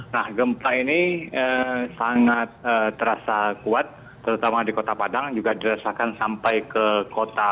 nah gempa ini sangat terasa kuat terutama di kota padang juga dirasakan sampai ke kota